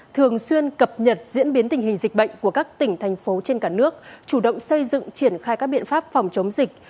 thường xuyên cập nhật diễn biến tình hình dịch bệnh của các tỉnh thành phố trên cả nước chủ động xây dựng triển khai các biện pháp phòng chống dịch